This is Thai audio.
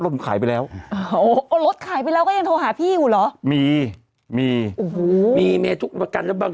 ผมขายไปแล้วเอารถขายไปแล้วก็ยังโทรหาพี่อยู่เหรอมีมีโอ้โหมีเมียทุกประกันแล้วบาง